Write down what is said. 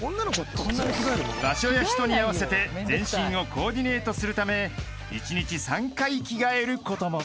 ［場所や人に合わせて全身をコーディネートするため１日３回着替えることも］